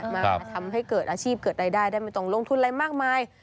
มาทำให้เกิดอาชีพเกิดรายได้ได้ไม่ต้องลงทุนอะไรมากมาย